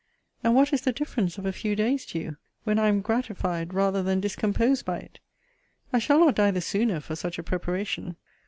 And what is the difference of a few days to you, when I am gratified rather than discomposed by it? I shall not die the sooner for such a preparation.